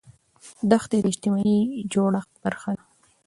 دښتې د اجتماعي جوړښت برخه ده.